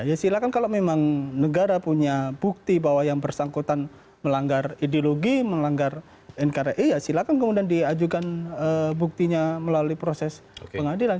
ya silakan kalau memang negara punya bukti bahwa yang bersangkutan melanggar ideologi melanggar nkri ya silahkan kemudian diajukan buktinya melalui proses pengadilan